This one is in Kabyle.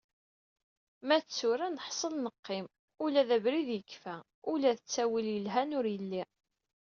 Ma d tura neḥsel neqqim, ula d abrid yekfa, ula d ttawil yelhan ur yelli.